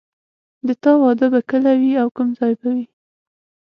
د تا واده به کله وي او کوم ځای به وي